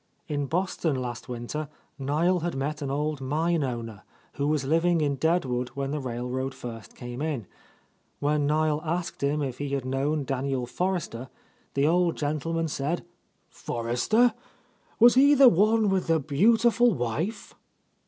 In Boston last winter Niel had met an old mine owner, who was living in Deadwood when the railroad first came in. When Niel asked him if he had A Lost Lady known Daniel Forrester, the old gentleman said, "Forrester? Was he the one with the beautiful wife?"